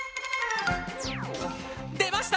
出ました！